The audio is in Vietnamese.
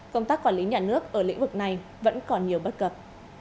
công tác quản lý nhà nước ở lĩnh vực này vẫn còn nhiều bất cập